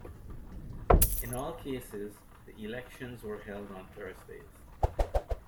In all cases, the elections were held on Thursdays.